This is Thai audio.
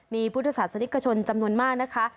มีพุทธศาสนิกชนจำนวนมากนะคะ